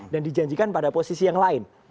dan dijanjikan pada posisi yang lain